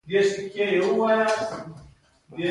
د کندهار په معروف کې د څه شي نښې دي؟